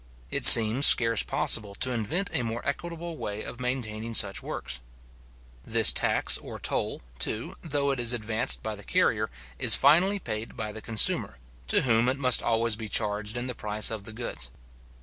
It seems scarce possible to invent a more equitable way of maintaining such works. This tax or toll, too, though it is advanced by the carrier, is finally paid by the consumer, to whom it must always be charged in the price of the goods.